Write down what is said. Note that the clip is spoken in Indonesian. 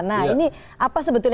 nah ini apa sebetulnya